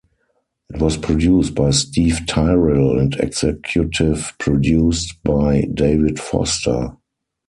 It was produced by Steve Tyrell and executive produced by David Foster.